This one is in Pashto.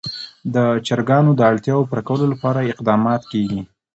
د چرګانو د اړتیاوو پوره کولو لپاره اقدامات کېږي.